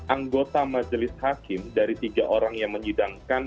anggota majelis hakim dari tiga orang yang menyidangkan